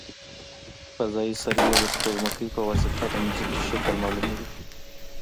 فضايي سروې د سپوږمکۍ په واسطه د ځمکې شکل معلوموي